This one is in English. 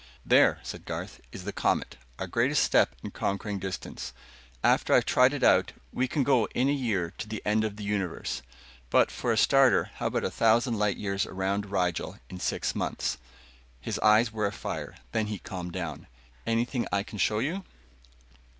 "There," said Garth, "is the Comet. Our greatest step in conquering distance. After I've tried it out, we can go in a year to the end of the universe. But, for a starter, how about a thousand light years around Rigel in six months?" His eyes were afire. Then he calmed down. "Anything I can show you?"